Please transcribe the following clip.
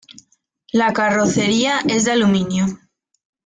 La carrocería es de aluminio.